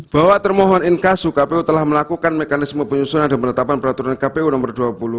bahwa termohon inkasu kpu telah melakukan mekanisme penyusunan dan penetapan peraturan kpu nomor dua puluh dua